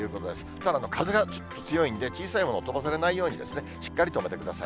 ただ、風が強いんで、小さいもの飛ばされないようにしっかり留めてください。